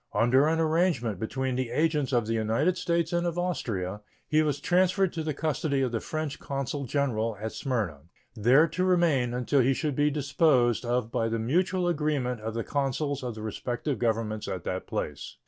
Under an arrangement between the agents of the United States and of Austria, he was transferred to the custody of the French consul general at Smyrna, there to remain until he should be disposed of by the mutual agreement of the consuls of the respective Governments at that place.